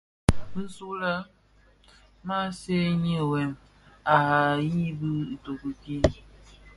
Bisulè maa seňi wêm a yibi itoki kii.